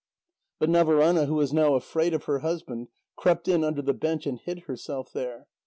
But Navaránâ, who was now afraid of her husband, crept in under the bench and hid herself there.